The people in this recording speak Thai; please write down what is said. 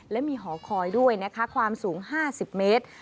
และมีหอคอยด้วยนะคะความสูง๕๐เมตร